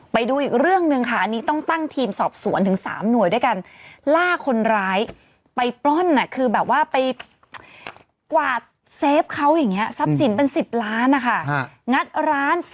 ไม่ถูกต้องเค้าก็เลยเสียชีวิตได้